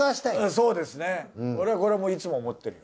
そうですね俺はこれはいつも思ってる。